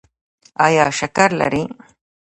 ایا شکر لرئ؟